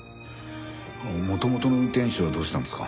元々の運転手はどうしたんですか？